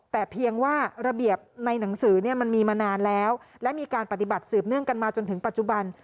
แต่เพียงว่าระเบียบในหนังสือเนี่ยมันมีมานานแล้วและมีการปฏิบัติสืบเนื่องกันมาจนถึงปัจจุบัน